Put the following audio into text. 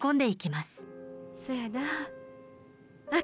そやなあ。